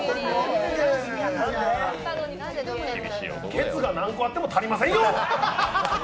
ケツが何個あっても足りませんよ！